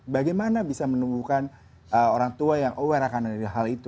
bagaimana bisa menumbuhkan orang tua yang aware akan dari hal itu